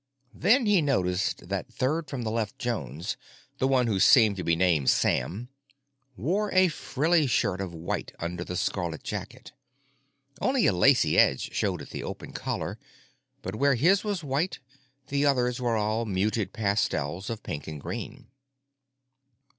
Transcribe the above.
Then he noticed that Third from the left Jones—the one who seemed to be named Sam—wore a frilly shirt of white under the scarlet jacket. Only a lacy edge showed at the open collar; but where his was white, the others were all muted pastels of pink and green.